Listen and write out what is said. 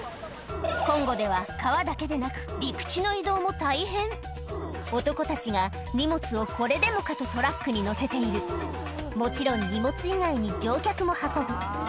コンゴでは川だけでなく男たちが荷物をこれでもかとトラックに載せているもちろん荷物以外に乗客も運ぶ